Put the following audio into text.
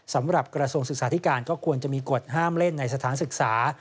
กระทรวงศึกษาธิการก็ควรจะมีกฎห้ามเล่นในสถานศึกษา